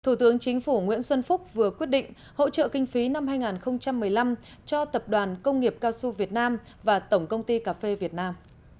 thủ tướng chính phủ nguyễn xuân phúc vừa quyết định hỗ trợ kinh phí năm hai nghìn một mươi năm cho tập đoàn công nghiệp cao su việt nam và tổng công ty cà phê việt nam